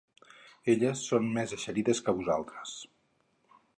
Elles són més eixerides que vosaltres.